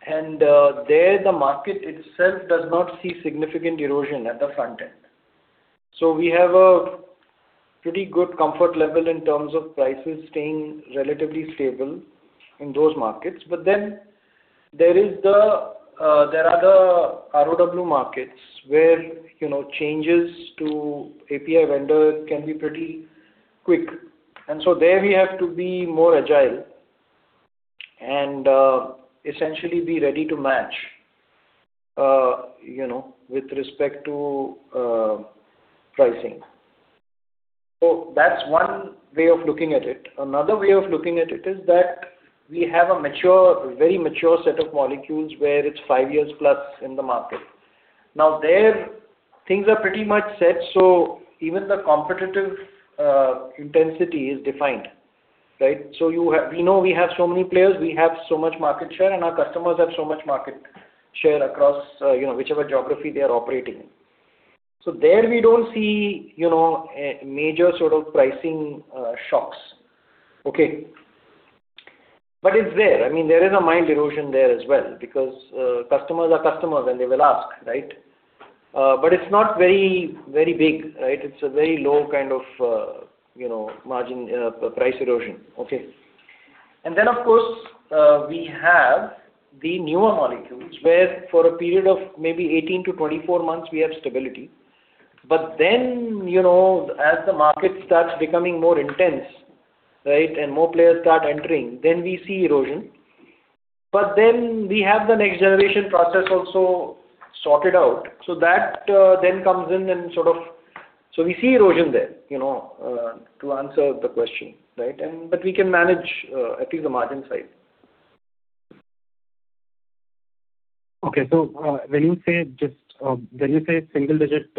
And there, the market itself does not see significant erosion at the front end. So we have a pretty good comfort level in terms of prices staying relatively stable in those markets. But then there are the ROW markets where changes to API vendor can be pretty quick. And so there we have to be more agile and essentially be ready to match with respect to pricing. So that's one way of looking at it. Another way of looking at it is that we have a very mature set of molecules where it's five years plus in the market. Now there, things are pretty much set. So even the competitive intensity is defined, right? So we know we have so many players, we have so much market share, and our customers have so much market share across whichever geography they are operating in. So there we don't see major sort of pricing shocks, okay? But it's there. I mean, there is a mild erosion there as well because customers are customers and they will ask, right? But it's not very big, right? It's a very low kind of margin price erosion, okay? And then, of course, we have the newer molecules where for a period of maybe 18-24 months, we have stability. But then as the market starts becoming more intense, right, and more players start entering, then we see erosion. But then we have the next generation process also sorted out. So that then comes in and sort of so we see erosion there to answer the question, right? But we can manage at least the margin side.
Okay. So when you say high single-digit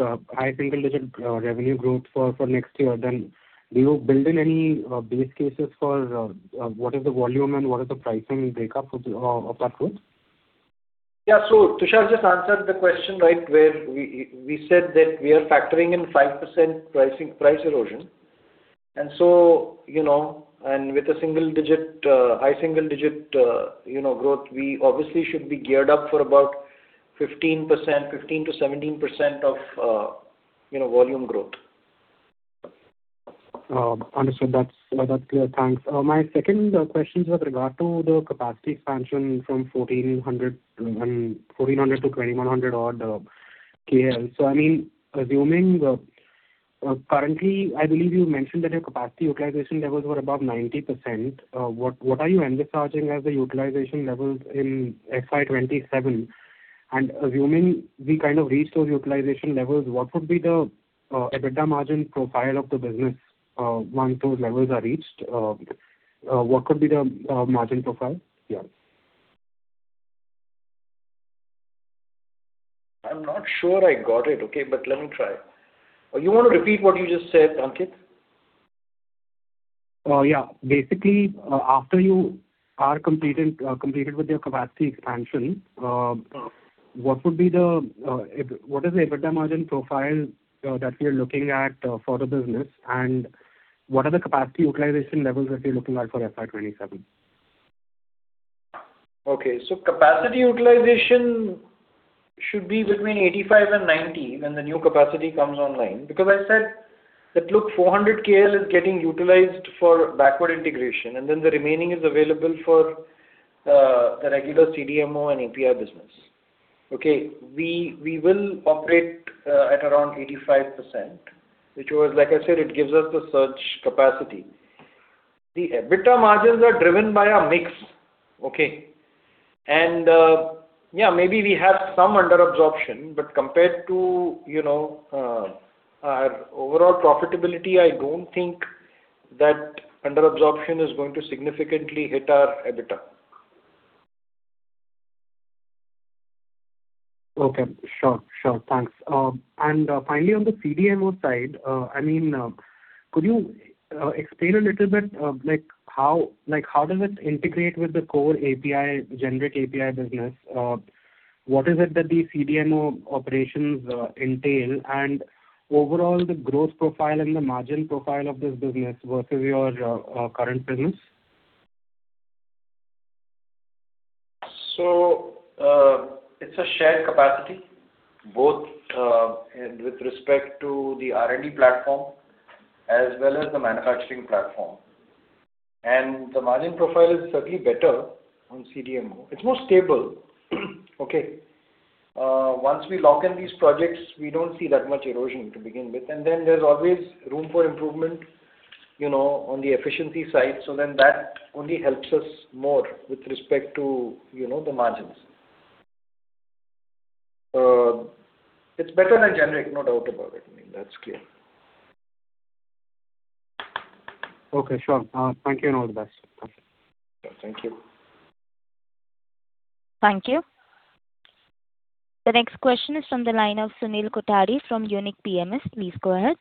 revenue growth for next year, then do you build in any base cases for what is the volume and what is the pricing breakup of that growth?
Yeah. So Tushar just answered the question, right, where we said that we are factoring in 5% price erosion. And so with a high single-digit growth, we obviously should be geared up for about 15%, 15%-17% of volume growth.
Understood. That's clear. Thanks. My second question is with regard to the capacity expansion from 1,400 to 2,100 odd KL. So I mean, assuming currently, I believe you mentioned that your capacity utilization levels were above 90%. What are you envisaging as the utilization levels in FY27? And assuming we kind of reach those utilization levels, what would be the EBITDA margin profile of the business once those levels are reached? What could be the margin profile? Yeah.
I'm not sure I got it, okay? But let me try. You want to repeat what you just said, Ankit?
Yeah. Basically, after you are completed with your capacity expansion, what is the EBITDA margin profile that we are looking at for the business? And what are the capacity utilization levels that you're looking at for FY27?
Okay. So capacity utilization should be between 85%-90% when the new capacity comes online. Because I said that, look, 400 KL is getting utilized for backward integration, and then the remaining is available for the regular CDMO and API business. Okay? We will operate at around 85%, which was, like I said, it gives us the surge capacity. The EBITDA margins are driven by a mix, okay? And yeah, maybe we have some underabsorption, but compared to our overall profitability, I don't think that underabsorption is going to significantly hit our EBITDA.
Okay. Sure. Sure. Thanks. And finally, on the CDMO side, I mean, could you explain a little bit how does it integrate with the core API, generic API business? What is it that the CDMO operations entail? And overall, the growth profile and the margin profile of this business versus your current business?
So it's a shared capacity, both with respect to the R&D platform as well as the manufacturing platform. And the margin profile is certainly better on CDMO. It's more stable. Okay. Once we lock in these projects, we don't see that much erosion to begin with. And then there's always room for improvement on the efficiency side. So then that only helps us more with respect to the margins. It's better than generic, no doubt about it. I mean, that's clear.
Okay. Sure. Thank you and all the best.
Thank you.
Thank you. The next question is from the line of Sunil Kothari from Unique PMS. Please go ahead.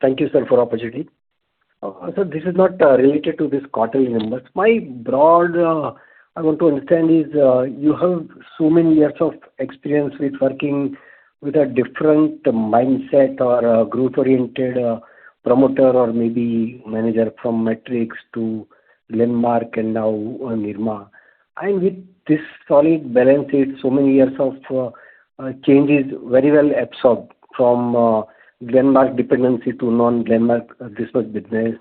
Thank you, sir, for the opportunity. Sir, this is not related to this quarterly numbers. My broad I want to understand is you have so many years of experience with working with a different mindset or a growth-oriented promoter or maybe manager from Matrix to Glenmark and now Nirma, and with this solid balance, so many years of changes very well absorbed from Glenmark dependency to non-Glenmark business,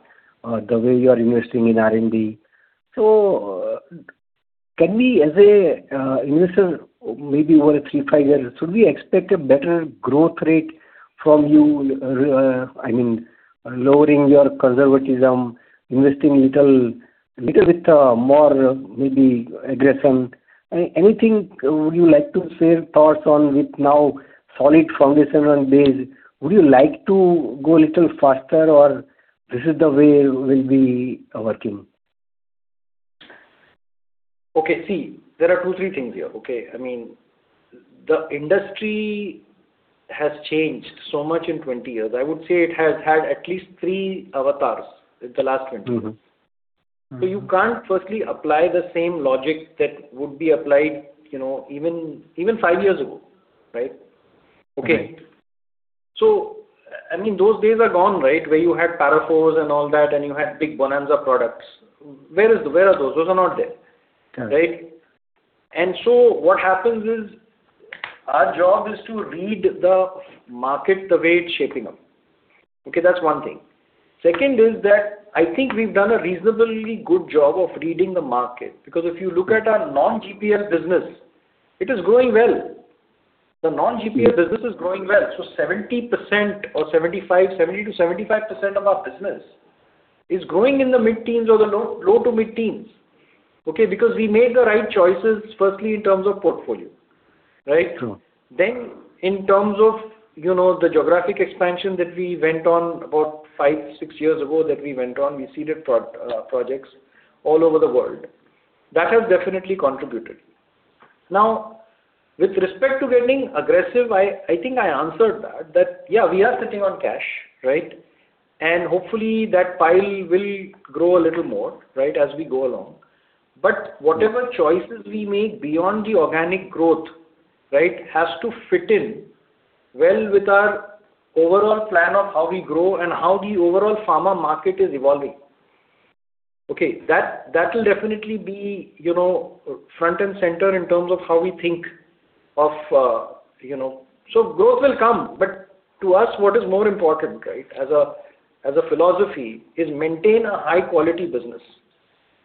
the way you are investing in R&D, so can we, as an investor, maybe over three, five years, should we expect a better growth rate from you, I mean, lowering your conservatism, investing a little bit more, maybe aggression? Anything would you like to share thoughts on with now solid foundation and base? Would you like to go a little faster, or this is the way we'll be working?
Okay. See, there are two, three things here, okay? I mean, the industry has changed so much in 20 years. I would say it has had at least three avatars in the last 20 years, so you can't firstly apply the same logic that would be applied even five years ago, right? Okay, so I mean, those days are gone, right, where you had Para IVs and all that, and you had big Bonanza products. Where are those? Those are not there, right, and so what happens is our job is to read the market the way it's shaping up. Okay? That's one thing. Second is that I think we've done a reasonably good job of reading the market. Because if you look at our non-GPL business, it is going well. The non-GPL business is growing well. So 70% or 75%, 70%-75% of our business is growing in the mid-teens or the low to mid-teens, okay? Because we made the right choices, firstly in terms of portfolio, right?
Sure.
In terms of the geographic expansion that we went on about five, six years ago that we went on, we seeded projects all over the world. That has definitely contributed. Now, with respect to getting aggressive, I think I answered that, that yeah, we are sitting on cash, right? And hopefully that pile will grow a little more, right, as we go along. But whatever choices we make beyond the organic growth, right, has to fit in well with our overall plan of how we grow and how the overall pharma market is evolving. Okay? That will definitely be front and center in terms of how we think of so growth will come. But to us, what is more important, right, as a philosophy, is maintain a high-quality business.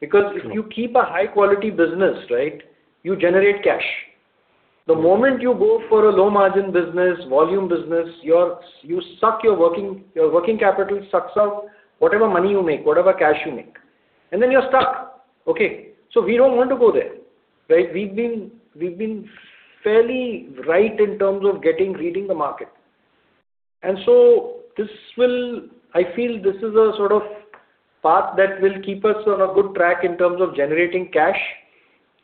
Because if you keep a high-quality business, right, you generate cash. The moment you go for a low-margin business, volume business, you suck your working capital sucks out whatever money you make, whatever cash you make. And then you're stuck, okay? So we don't want to go there, right? We've been fairly right in terms of reading the market. And so this will, I feel this is a sort of path that will keep us on a good track in terms of generating cash.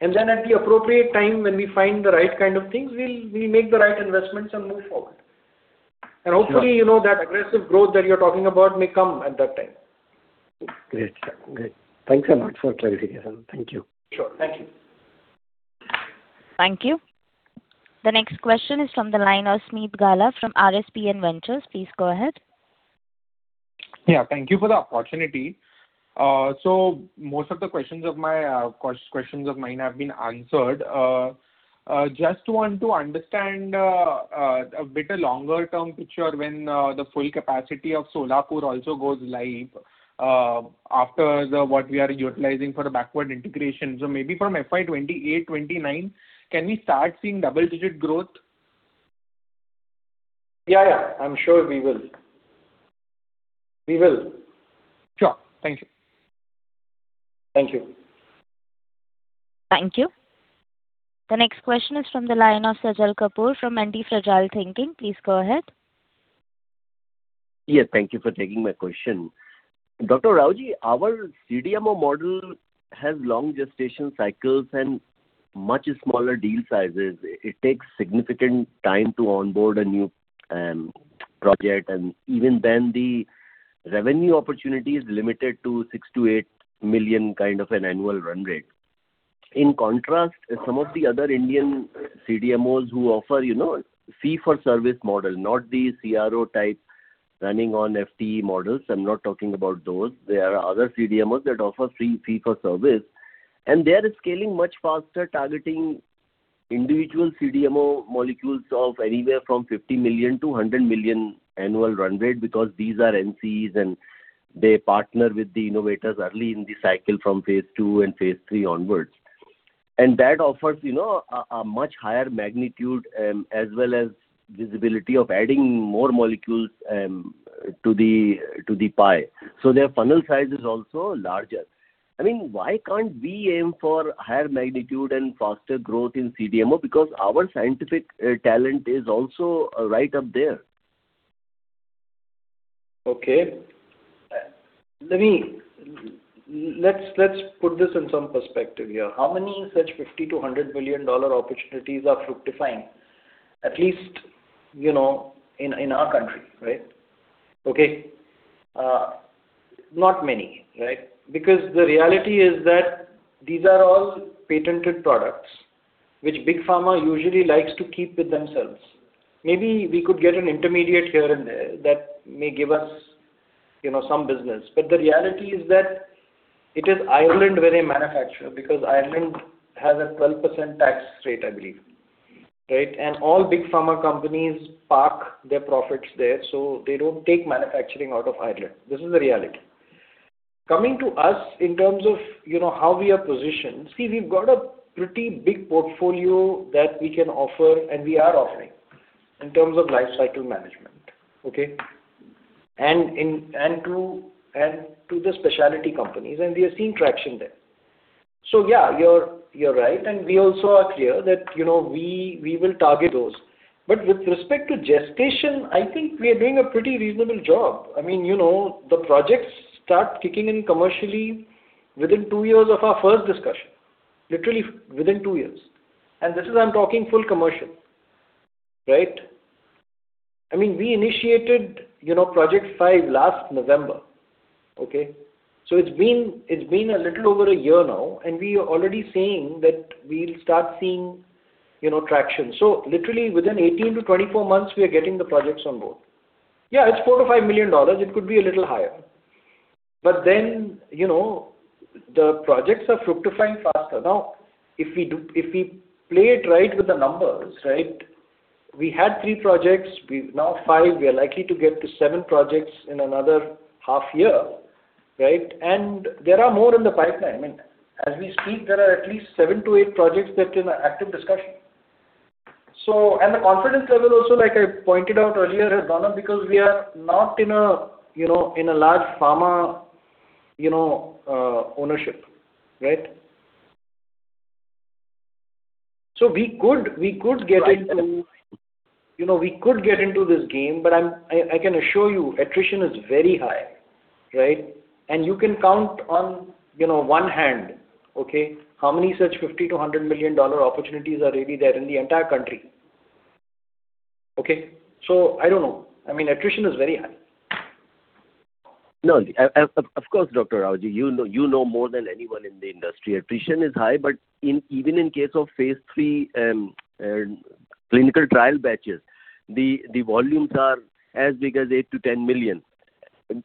And then at the appropriate time, when we find the right kind of things, we'll make the right investments and move forward. And hopefully that aggressive growth that you're talking about may come at that time.
Great. Great. Thanks a lot for clarification. Thank you.
Sure. Thank you.
Thank you. The next question is from the line of Smeet Gala from RSPN Ventures. Please go ahead.
Yeah. Thank you for the opportunity. So most of my questions have been answered. Just want to understand a bit of longer-term picture when the full capacity of Solapur also goes live after what we are utilizing for backward integration. So maybe from FY28, FY29, can we start seeing double-digit growth?
Yeah. Yeah. I'm sure we will. We will.
Sure. Thank you.
Thank you.
Thank you. The next question is from the line of Sajal Kapoor from Antifragile Thinking. Please go ahead.
Yes. Thank you for taking my question. Dr. Rawjee, our CDMO model has long gestation cycles and much smaller deal sizes. It takes significant time to onboard a new project. And even then, the revenue opportunity is limited to six to eight million kind of an annual run rate. In contrast, some of the other Indian CDMOs who offer fee-for-service model, not the CRO type running on FTE models, I'm not talking about those. There are other CDMOs that offer fee-for-service. And they are scaling much faster, targeting individual CDMO molecules of anywhere from 50-100 million annual run rate because these are NCEs, and they partner with the innovators early in the cycle from phase two and phase three onwards. And that offers a much higher magnitude as well as visibility of adding more molecules to the pie. So their funnel size is also larger. I mean, why can't we aim for higher magnitude and faster growth in CDMO? Because our scientific talent is also right up there.
Okay. Let's put this in some perspective here. How many such $50-100 billion opportunities are fructifying, at least in our country, right? Okay? Not many, right? Because the reality is that these are all patented products, which big pharma usually likes to keep with themselves. Maybe we could get an intermediate here and there that may give us some business. But the reality is that it is Ireland where they manufacture because Ireland has a 12% tax rate, I believe, right? And all big pharma companies park their profits there, so they don't take manufacturing out of Ireland. This is the reality. Coming to us in terms of how we are positioned, see, we've got a pretty big portfolio that we can offer, and we are offering in terms of life cycle management, okay, and to the specialty companies, and we are seeing traction there. Yeah, you're right. We also are clear that we will target those. But with respect to gestation, I think we are doing a pretty reasonable job. I mean, the projects start kicking in commercially within two years of our first discussion, literally within two years. And this is, I'm talking full commercial, right? I mean, we initiated project five last November, okay? So it's been a little over a year now, and we are already seeing that we'll start seeing traction. So literally within 18 to 24 months, we are getting the projects on board. Yeah, it's $4-$5 million. It could be a little higher. But then the projects are fructifying faster. Now, if we play it right with the numbers, right, we had three projects. Now five, we are likely to get to seven projects in another half year, right? There are more in the pipeline. I mean, as we speak, there are at least seven to eight projects that are in active discussion. The confidence level also, like I pointed out earlier, has gone up because we are not in a large pharma ownership, right? We could get into this game, but I can assure you attrition is very high, right? You can count on one hand, okay, how many such $50-100 million opportunities are really there in the entire country, okay? I don't know. I mean, attrition is very high.
No, of course, Dr. Rawjee. You know more than anyone in the industry. Attrition is high, but even in case of phase three clinical trial batches, the volumes are as big as 8-10 million,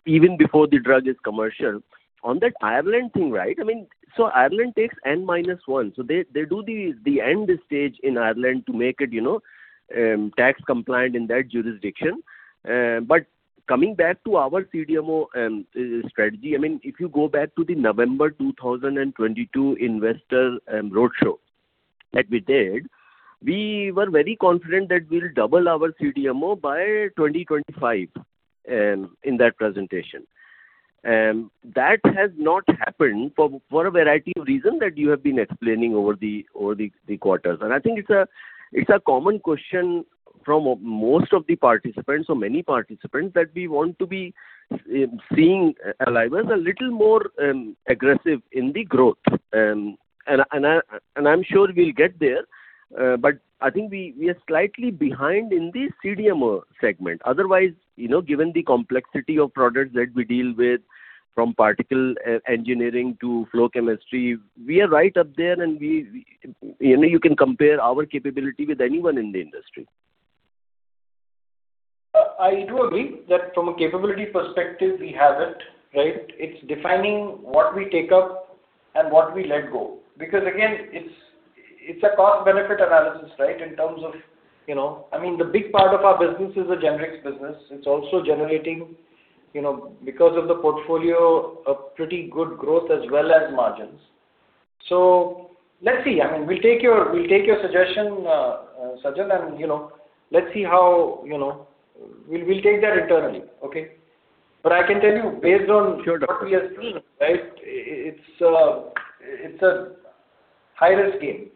even before the drug is commercial. On that Ireland thing, right? I mean, so Ireland takes N minus one. So they do the end stage in Ireland to make it tax compliant in that jurisdiction. But coming back to our CDMO strategy, I mean, if you go back to the November 2022 investor roadshow that we did, we were very confident that we'll double our CDMO by 2025 in that presentation. That has not happened for a variety of reasons that you have been explaining over the quarters. I think it's a common question from most of the participants, or many participants, that we want to be seeing Alivus a little more aggressive in the growth. I'm sure we'll get there. I think we are slightly behind in the CDMO segment. Otherwise, given the complexity of products that we deal with, from particle engineering to flow chemistry, we are right up there, and you can compare our capability with anyone in the industry.
I do agree that from a capability perspective, we have it, right? It's defining what we take up and what we let go. Because again, it's a cost-benefit analysis, right, in terms of I mean, the big part of our business is a generics business. It's also generating, because of the portfolio, a pretty good growth as well as margins. So let's see. I mean, we'll take your suggestion, Sajjal, and let's see how we'll take that internally, okay? But I can tell you, based on what we have seen, right, it's a high-risk game.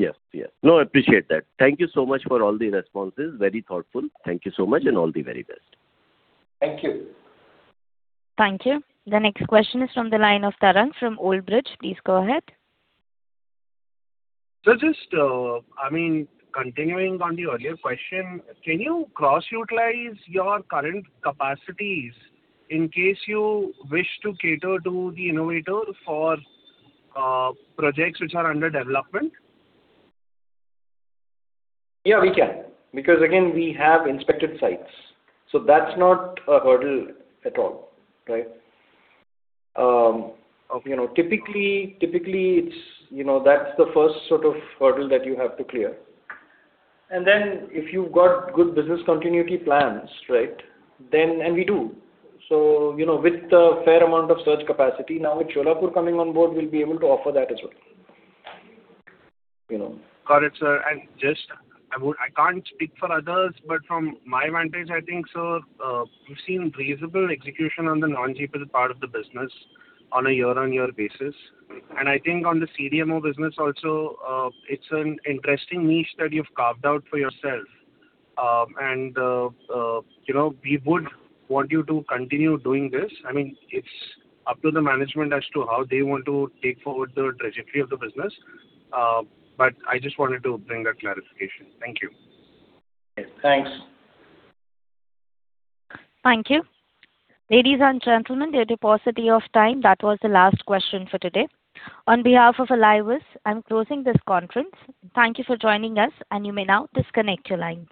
Yes. Yes. No, I appreciate that. Thank you so much for all the responses. Very thoughtful. Thank you so much, and all the very best.
Thank you.
Thank you. The next question is from the line of Tarang from Old Bridge. Please go ahead.
Sajal, I mean, continuing on the earlier question, can you cross-utilize your current capacities in case you wish to cater to the innovator for projects which are under development?
Yeah, we can. Because again, we have inspected sites. So that's not a hurdle at all, right? Typically, that's the first sort of hurdle that you have to clear. And then if you've got good business continuity plans, right, and we do, so with a fair amount of surge capacity, now with Solapur coming on board, we'll be able to offer that as well.
Got it, sir. And just I can't speak for others, but from my vantage, I think so. We've seen reasonable execution on the non-GPL part of the business on a year-on-year basis. And I think on the CDMO business also, it's an interesting niche that you've carved out for yourself. And we would want you to continue doing this. I mean, it's up to the management as to how they want to take forward the trajectory of the business. But I just wanted to bring that clarification. Thank you.
Okay. Thanks.
Thank you. Ladies and gentlemen, dear depositors of time, that was the last question for today. On behalf of Alivus, I'm closing this conference. Thank you for joining us, and you may now disconnect your lines.